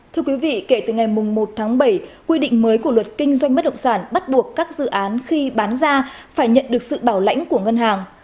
thưa quý vị kể từ ngày một tháng bảy quy định mới của luật kinh doanh bất động sản bắt buộc các dự án khi bán ra phải nhận được sự bảo lãnh của ngân hàng